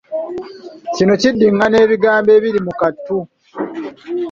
Kuno kuddiηηana bigambo ebiri mu kattu.